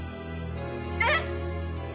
えっ！？